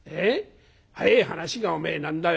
早え話がおめえ何だよ